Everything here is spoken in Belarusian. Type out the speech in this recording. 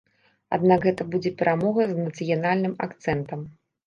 Аднак гэта будзе перамога з нацыянальным акцэнтам.